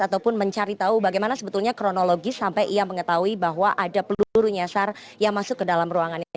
ataupun mencari tahu bagaimana sebetulnya kronologis sampai ia mengetahui bahwa ada peluru nyasar yang masuk ke dalam ruangan ini